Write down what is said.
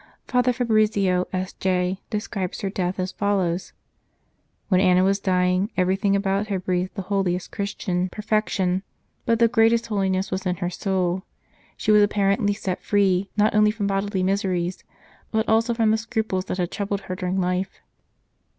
Father Fabrizio, S.J., describes her death as follows :" When Anna was dying, everything about her breathed the holiest Christian per 199 St. Charles Borromeo fection, but the greatest holiness was in her soul. She was apparently set free, not only from bodily miseries, but also from the scruples that had troubled her during life.